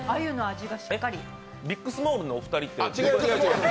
ビッグスモールンのお二人って？